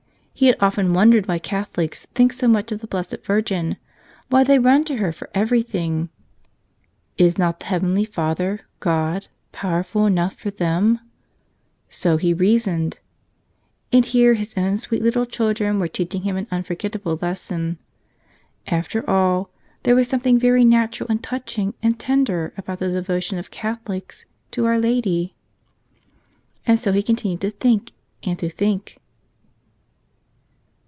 He had often wondered why Catholics think so much of the Blessed Virgin, why they run to her for everything. Is not the heavenly Father, God, powerful enough for them? So he had reasoned. And here his own sweet little chil¬ dren were teaching him an unforgetable lesson. After all, there was something very natural, and touching, and tender, about the devotion of Catholics to Our Lady. And so he continued to think and to think